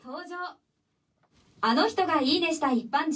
『あの人が「いいね」した一般人』